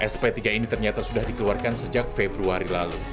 sp tiga ini ternyata sudah dikeluarkan sejak februari lalu